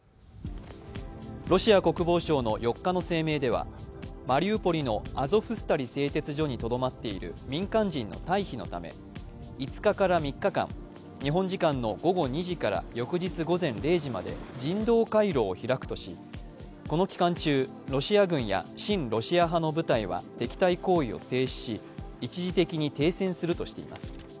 ロシア国防省の３日の声明ではマリウポリのアゾフスタリ製鉄所にとどまっている民間人の退避のため５日から３日間、日本時間の午後２時から翌日午前０時まで人道回廊を開くとし、この期間中、ロシア軍や親ロシア派の部隊は敵対行為を停止し一時的に停戦するとしています。